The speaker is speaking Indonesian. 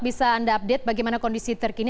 bisa anda update bagaimana kondisi terkini